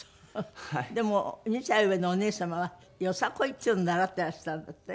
でも２歳上のお姉様はよさこいっていうのを習ってらしたんですって？